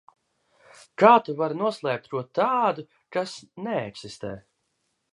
Kā tu vari noslēpt ko tādu, kas neeksistē?